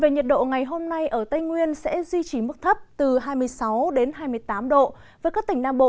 nhiệt độ ngày hôm nay ở tây nguyên sẽ duy trì mức thấp từ hai mươi sáu hai mươi tám độ với các tỉnh nam bộ